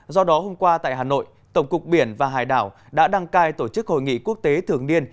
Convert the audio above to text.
do đó hôm qua tại hà nội tổng cục biển và hải đảo đã đăng cai tổ chức hội nghị quốc tế thường niên